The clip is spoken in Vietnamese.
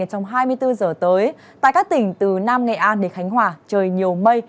trong hai mươi bốn giờ tới tại các tỉnh từ nam nghệ an đến khánh hòa trời nhiều mây